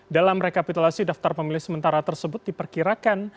dalam rekapitulasi daftar pemilih sementara tersebut diperkirakan